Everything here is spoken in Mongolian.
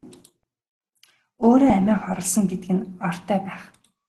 Өөрөө амиа хорлосон гэдэг нь ортой байх.